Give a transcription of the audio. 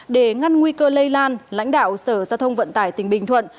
để ngăn nguy cơ lây lan lãnh đạo sở giao thông vận tải tỉnh bình thuận